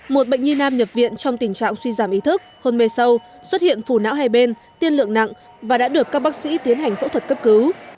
một bệnh nhi nam nhập viện trong tình trạng suy giảm ý thức hôn mê sâu xuất hiện phù não hai bên tiên lượng nặng và đã được các bác sĩ tiến hành phẫu thuật cấp cứu